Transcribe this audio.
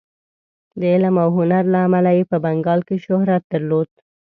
د علم او هنر له امله یې په بنګال کې شهرت درلود.